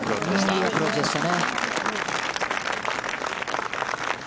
いいアプローチでしたね。